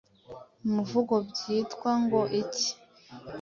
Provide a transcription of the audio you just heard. umuvugo byitwa ngo iki?